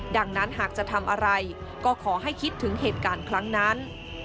ดังนั้นหากจะทำอะไรก็ขอให้คิดถึงเหตุการณ์ครั้งนั้น